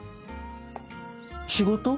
仕事？